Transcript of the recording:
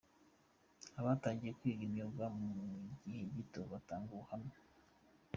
Abatangiye kwiga imyuga mu gihe gito batanga ubuhamya .